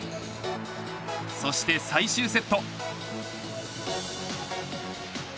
そして最終セット。